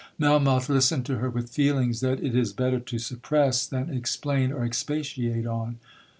'Melmoth listened to her with feelings that it is better to suppress than explain or expatiate on.